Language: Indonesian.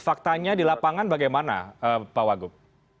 faktanya di lapangan bagaimana pak wagub